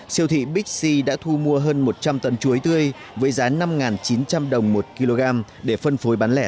siêu thị bixi đã thu mua hơn một trăm linh tấn chuối tươi với giá năm chín trăm linh đồng một kg để phân phối bán lẻ